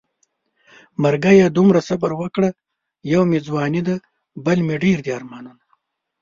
مرګيه دومره صبر وکړه يو مې ځواني ده بل مې ډېر دي ارمانونه